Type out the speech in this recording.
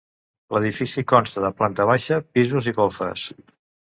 L'edifici consta de planta baixa, pisos i golfes.